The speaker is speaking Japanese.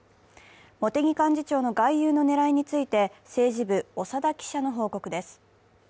茂木幹事長の外遊の狙いについて政治部・長田記者の報告です。